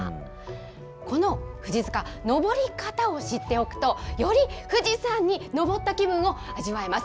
この富士塚、登り方を知っておくと、より富士山に登った気分を味わえます。